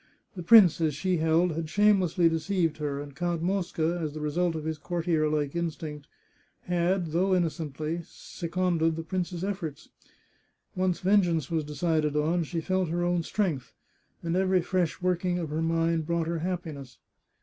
The prince, as she held, had shamefully deceived her, and Count Mosca, as the result of his courtier like instinct, had, though innocently, seconded the prince's efforts. Once vengeance was decided on, she felt her own strength, and every fresh working of her mind brought her happiness.